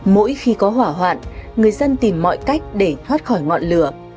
mỗi khi có hỏa hoạn người dân tìm mọi cách để thoát khỏi ngọn lửa